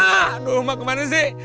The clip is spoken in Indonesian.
aduh ma kemana sih